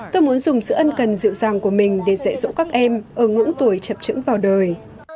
tôi muốn dùng sự ân cần dịu dàng của mình để dạy dỗ các em ở ngưỡng tuổi chập trứng vào đời